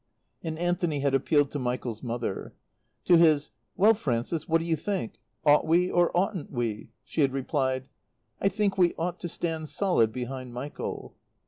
And Anthony had appealed to Michael's mother. To his "Well, Frances, what do you think? Ought we or oughtn't we?" she had replied: "I think we ought to stand solid behind Michael."